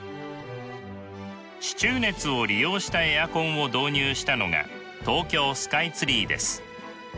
地中熱を利用したエアコンを導入したのが東京スカイツリーです。